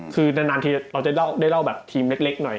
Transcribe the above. คือนานทีเราจะได้เล่าแบบทีมเล็กหน่อย